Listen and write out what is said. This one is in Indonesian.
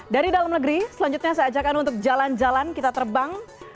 dari dalam negeri selanjutnya saya ajakkan untuk jalan jalan kita terbang